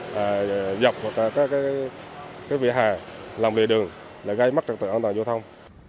là dọc một cái vỉa hà lòng vỉa đường là gây mất trật tự an toàn giao thông